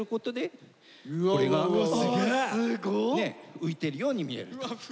浮いてるように見えると。